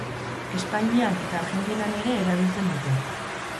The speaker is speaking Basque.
Espainian eta Argentinan ere erabiltzen dute.